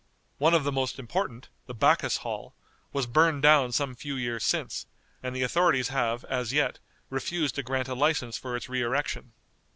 One of the most important, the Bacchus Hall, was burned down some few years since, and the authorities have, as yet, refused to grant a license for its re erection.